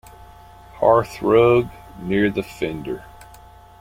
Hearthrug, near the fender.